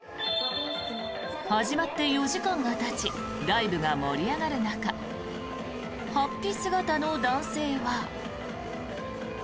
始まって４時間がたちライブが盛り上がる中法被姿の男性は。